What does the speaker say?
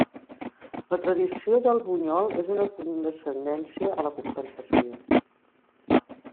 La tradició del bunyol és una condescendència a la compensació.